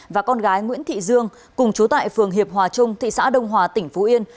và con gái nguyễn thị dương cùng chú tại phường hiệp hòa trung thị xã đông hòa tỉnh phú yên